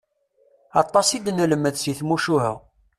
Aṭas i d-nelmed si tmucuha.